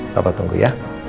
papa tunggu ya